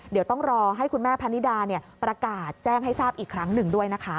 เดี๋ยวต้องรอให้คุณแม่พนิดาประกาศแจ้งให้ทราบอีกครั้งหนึ่งด้วยนะคะ